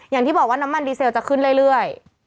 อย่างที่บอกว่าน้ำมันดีเซลจะขึ้นเรื่อย